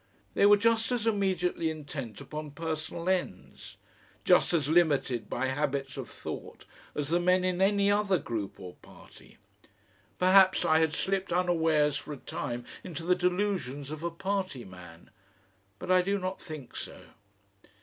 They were just as immediately intent upon personal ends, just as limited by habits of thought, as the men in any other group or party. Perhaps I had slipped unawares for a time into the delusions of a party man but I do not think so.